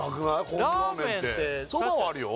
ホームラーメンってそばはあるよ